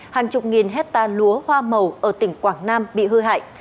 hàng chục nghìn hectare lúa hoa màu ở tỉnh quảng nam bị hư hại